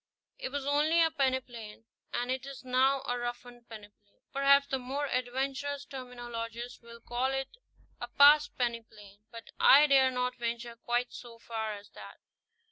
It was only a pene plain, and it is now a roughened peneplain. Perhaps the more adventurous terminologist will call it a past peneplain ; but I dare not venture quite so far as that.